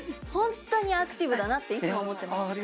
本当にアクティブだなっていつも思ってます。